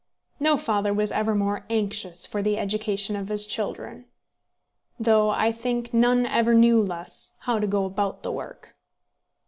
No father was ever more anxious for the education of his children, though I think none ever knew less how to go about the work.